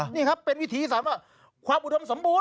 นี่ครับเป็นวิธีความอุดมสมบูรณ์